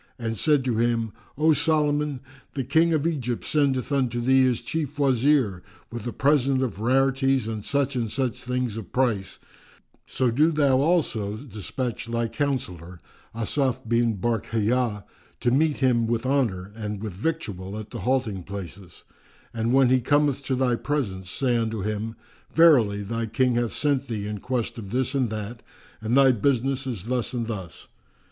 and said to him, "O Solomon, the King of Egypt sendeth unto thee his Chief Wazir, with a present of rarities and such and such things of price; so do thou also despatch thy Counsellor Asaf bin Barkhiyá to meet him with honour and with victual at the halting places; and when he cometh to thy presence, say unto him, 'Verily, thy King hath sent thee in quest of this and that and thy business is thus and thus.